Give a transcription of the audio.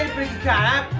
lu bapaknya mak